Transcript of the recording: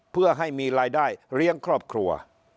เพื่อให้มีรายได้เลี้ยงครอบครัว